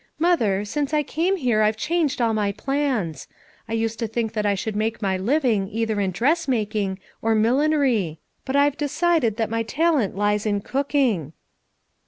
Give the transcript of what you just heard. Mother, since I came here I've changed all my plans. I used to think that I should make my living either in dressmaking, or millinery; but I've decided that my talent lies in cooking."